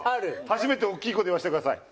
初めて大きい声で言わせてください。